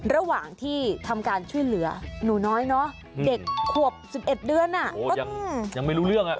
ระหว่างที่ทำการช่วยเหลือหนูน้อยเนอะเด็กขวบ๑๑เดือนก็ยังไม่รู้เรื่องอ่ะ